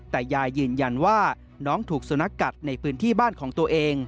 แต่ยายยืนยันว่าน้องถูกสุนัขกัดในพื้นที่บ้านของตัวเอง